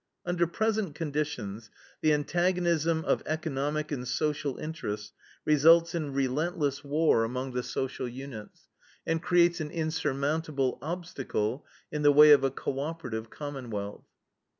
"Under present conditions the antagonism of economic and social interests results in relentless war among the social units, and creates an insurmountable obstacle in the way of a co operative commonwealth.